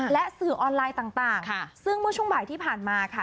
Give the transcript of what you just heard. และสื่อออนไลน์ต่างซึ่งเมื่อช่วงบ่ายที่ผ่านมาค่ะ